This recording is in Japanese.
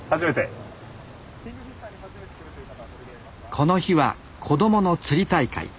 この日は子供の釣り大会。